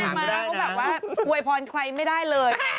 คุณแม่มาก็บอกว่ากวยพรใครไม่ได้เลย